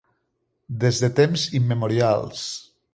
Des de temps immemorials.